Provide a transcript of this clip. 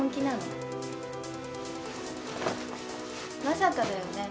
まさかだよね？